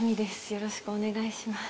よろしくお願いします。